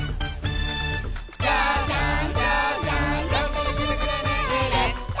「ジャンジャンジャンジャンジャングルグルグルるーれっと」